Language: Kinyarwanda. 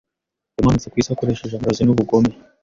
Yamanutse ku isi akoresheje amarozi nubugome